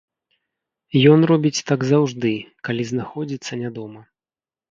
Ён робіць так заўжды, калі знаходзіцца не дома.